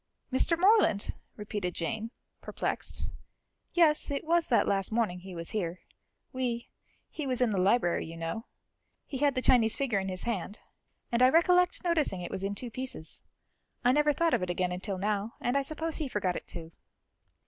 "Mr. Morland!" repeated Jane, perplexed. "Yes, it was that last morning he was here. We he was in the library, you know. He had the Chinese figure in his hand, and I recollect noticing it was in two pieces. I never thought of it again until now, and I suppose he forgot it too."